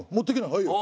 はいよ。